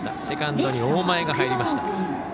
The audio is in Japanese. セカンドに大前が入りました。